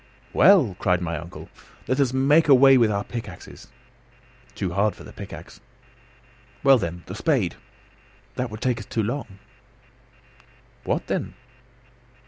"Well," cried my uncle, "let us make a way with our pickaxes." "Too hard for the pickaxe." "Well, then, the spade." "That would take us too long." "What, then?"